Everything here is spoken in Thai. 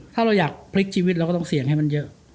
ถ้าเราอยากพลิกชีวิตเราก็ต้องเสี่ยงให้มันเยอะ